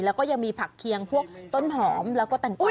แล้วก็ยังมีผักเคียงพวกต้นหอมแล้วก็แตงกอ